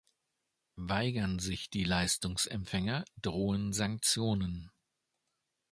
Weigern sich die Leistungsempfänger, drohen Sanktionen.